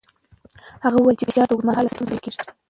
هغه وویل چې فشار د اوږدمهاله ستونزو لامل کېږي.